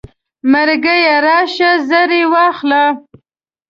مرګیه راشه زر یې واخله.